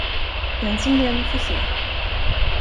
Den som lever får se.